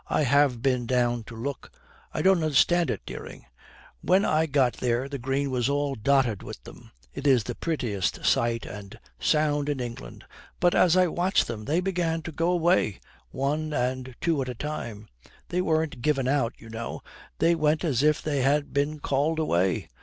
I have been down to look. I don't understand it, Dering. When I got there the green was all dotted with them it's the prettiest sight and sound in England. But as I watched them they began to go away, one and two at a time; they weren't given out, you know, they went as if they had been called away.